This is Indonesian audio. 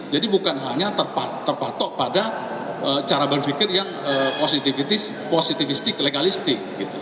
jadi bukan hanya terpatok pada cara berpikir yang positivistik legalistik